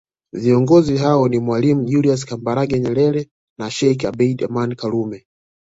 Viongozi hao ni mwalimu Julius Kambarage Nyerere na Sheikh Abed Amani Karume